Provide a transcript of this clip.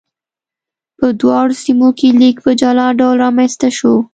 په دواړو سیمو کې لیک په جلا ډول رامنځته شو.